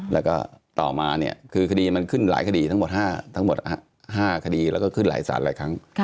แล้วก็ต่อมาเนี่ยคือคดีมันขึ้นหลายคดีทั้งหมดทั้งหมด๕คดีแล้วก็ขึ้นหลายสารหลายครั้ง